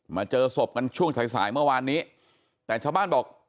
เจอศพกันช่วงสายสายเมื่อวานนี้แต่ชาวบ้านบอก